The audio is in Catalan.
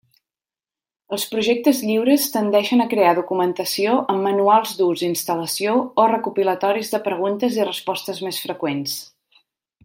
Els projectes lliures tendeixen a crear documentació amb manuals d'ús i instal·lació o recopilatoris de preguntes i respostes més freqüents.